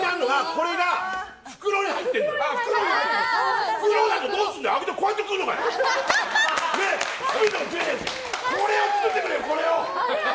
これを作ってくれよこれを！